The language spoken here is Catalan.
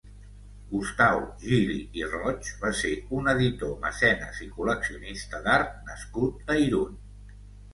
Gustau Gili i Roig va ser un editor, mecenes i col·leccionista d'art nascut a Irun.